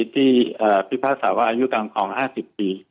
ที่ภิพศาสตร์ว่าอายุกำคอง๕๐ปี